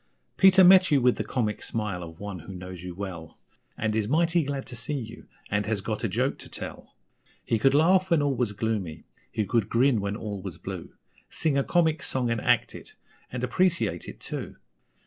Peter met you with the comic smile of one who knows you well, And is mighty glad to see you, and has got a joke to tell; He could laugh when all was gloomy, he could grin when all was blue, Sing a comic song and act it, and appreciate it, too.